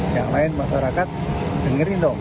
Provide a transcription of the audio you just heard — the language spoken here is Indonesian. yang lain masyarakat dengerin dong